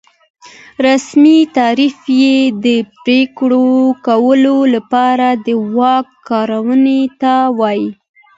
رسمي تعریف یې د پرېکړو کولو لپاره د واک کارونې ته وایي.